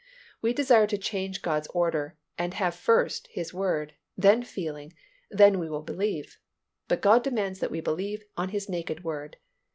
We desire to change God's order, and have first, His Word, then feeling, then we will believe. But God demands that we believe on His naked Word.